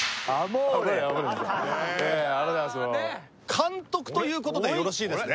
監督という事でよろしいですね？